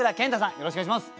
よろしくお願いします。